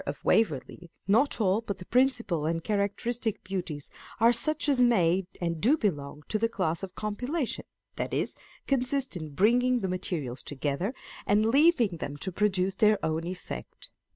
of Waverley, not all, but the principal and charac teristic beauties are such as may and do belong to the class of compilation, that is, consist in bringing the materials together and leaving them to produce their own effect.